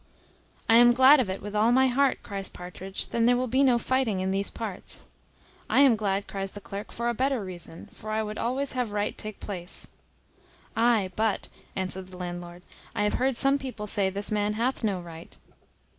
"I am glad of it with all my heart," cries Partridge; "then there will be no fighting in these parts." "I am glad," cries the clerk, "for a better reason; for I would always have right take place." "Ay, but," answered the landlord, "I have heard some people say this man hath no right."